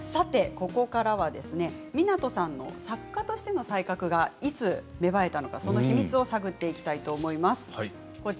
ここからは湊さんの作家としての才覚がいつ芽生えたのかその秘密を探っていきたいと思います。